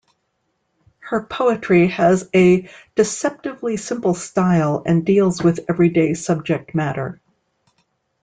Her poetry has a deceptively simple style and deals with everyday subject matter.